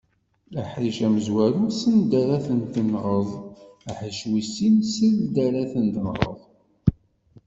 Aḥric amezwaru send ara t-tenɣeḍ, aḥric wis sin seld ara t-tenɣeḍ.